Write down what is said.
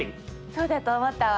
そうだと思ったわ。